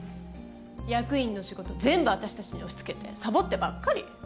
役員の仕事全部私たちに押しつけてさぼってばっかり。